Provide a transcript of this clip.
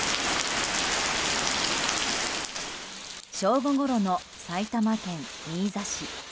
正午ごろの埼玉県新座市。